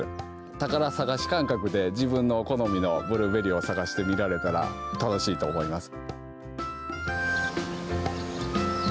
宝探し感覚で自分の好みのブルーベリーを探してみられたら楽しいと思います。